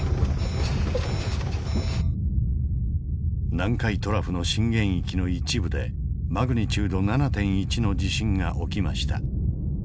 南海トラフの震源域の一部でマグニチュード７．１の地震が起きました。